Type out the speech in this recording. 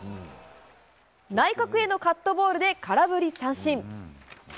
内角へのカットボールで空振り三振。